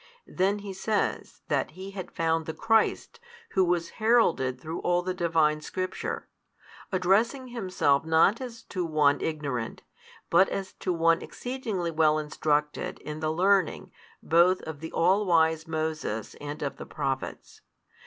Then he says that he had found the Christ Who was heralded through all the Divine Scripture, addressing himself not as to one ignorant, but as to one exceedingly well instructed in the learning both of all wise Moses and of the prophets.